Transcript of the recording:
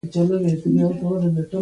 رڼا او رنګ به د تیارې ریښې اره، اره کړي